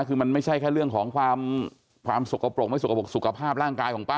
คือมันไม่ใช่แค่เรื่องของความสุขปกปกไม่สุขภาพร่างกายของป้าด้วย